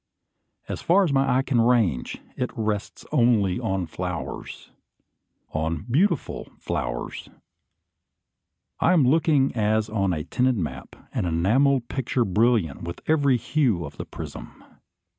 As far as my eye can range, it rests only on flowers, on beautiful flowers! I am looking as on a tinted map, an enamelled picture brilliant with every hue of the prism.